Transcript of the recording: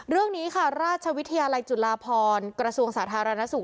เรื่องนี้ค่ะราชวิทยาลัยจุฬาพรกระทรวงสาธารณสุข